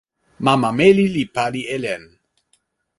mama meli li pali e len.